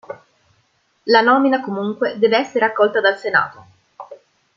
La nomina, comunque, deve essere accolta dal Senato.